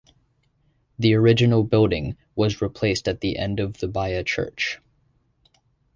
The original building was replaced at the end of the by a church.